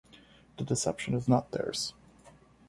The deception is not theirs.